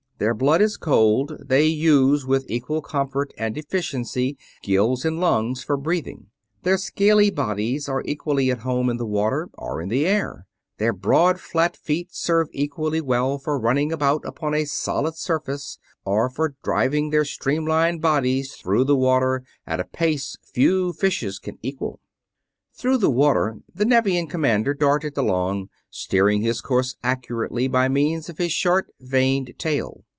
Their blood is cold; they use with equal comfort and efficiency gills and lungs for breathing; their scaly bodies are equally at home in the water or in the air; their broad, flat feet serve equally well for running about upon a solid surface or for driving their streamlined bodies through the water at a pace few fishes can equal. Through the water the Nevian commander darted along, steering his course accurately by means of his short, vaned tail.